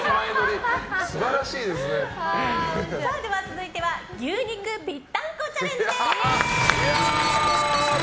続いては牛肉ぴったんこチャレンジです。